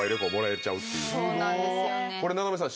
これ菜波さん